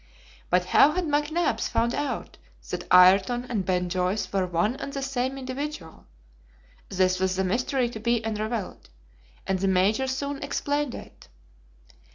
But how had McNabbs found out that Ayrton and Ben Joyce were one and the same individual? This was the mystery to be unraveled, and the Major soon explained it.